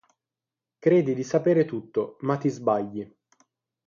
Credi di sapere tutto ma ti sbagli.